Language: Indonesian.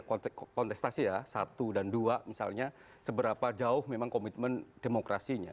kontestasi ya satu dan dua misalnya seberapa jauh memang komitmen demokrasinya